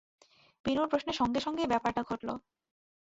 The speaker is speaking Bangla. বিনুর প্রশ্নের সঙ্গে-সঙ্গেই ব্যাপারটা ঘটল।